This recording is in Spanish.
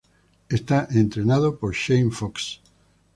Es entrenado por Shane Fox.